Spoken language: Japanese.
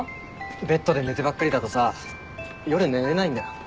ベッドで寝てばっかりだとさ夜寝れないんだよ。